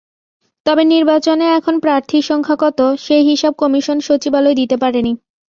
তবে নির্বাচনে এখন প্রার্থীর সংখ্যা কত, সেই হিসাব কমিশন সচিবালয় দিতে পারেনি।